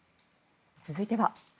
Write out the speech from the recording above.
続いては。